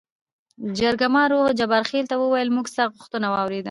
جرګمارو جبار ته ووېل: موږ ستا غوښتنه وارېده.